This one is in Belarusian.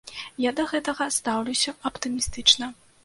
Я да гэтага стаўлюся аптымістычна.